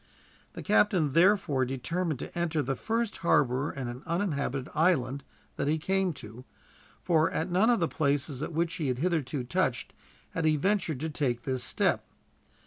The captain therefore determined to enter the first harbor in an uninhabited island that he came to, for at none of the places at which he had hitherto touched had he ventured to take this step.